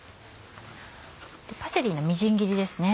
パセリのみじん切りですね。